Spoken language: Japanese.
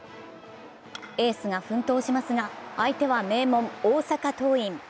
エースが奮闘しますが相手は名門・大阪桐蔭。